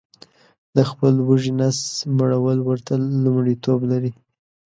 د خپل وږي نس مړول ورته لمړیتوب لري